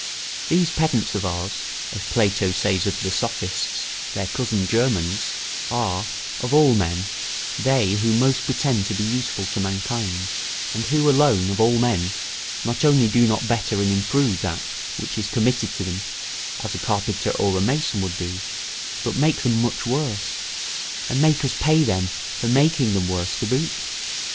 ] These pedants of ours, as Plato says of the Sophists, their cousin germans, are, of all men, they who most pretend to be useful to mankind, and who alone, of all men, not only do not better and improve that which is committed to them, as a carpenter or a mason would do, but make them much worse, and make us pay them for making them worse, to boot.